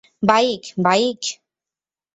Bike, bike?